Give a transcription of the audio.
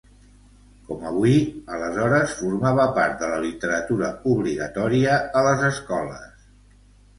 Com avui, aleshores formava part de la literatura obligatòria a les escoles.